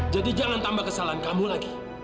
jadi jangan tambah kesalahan kamu lagi